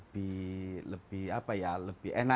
bedanya apa sih